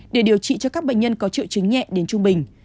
để điều trị cho các bệnh nhân có triệu chứng nhẹ đến trung bình